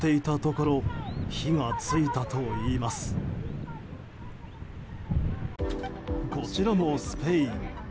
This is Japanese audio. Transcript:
こちらもスペイン。